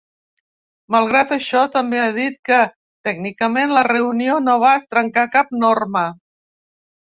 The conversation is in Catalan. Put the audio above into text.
Malgrat això, també ha dit que “tècnicament” la reunió no va trencar cap norma.